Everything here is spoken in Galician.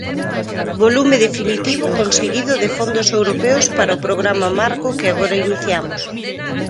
Volume definitivo conseguido de fondos europeos para o programa marco que agora iniciamos.